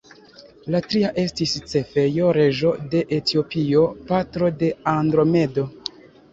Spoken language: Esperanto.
La tria estis Cefeo, reĝo de Etiopio, patro de Andromedo.